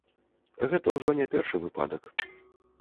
Гэта ўжо не першы выпадак.